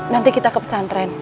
nanti kita ke pesantren